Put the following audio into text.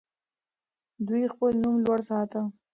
دوی خپل نوم لوړ ساته.